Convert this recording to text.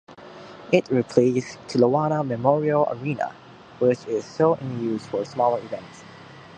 It replaced Kelowna Memorial Arena, which is still in use for smaller events.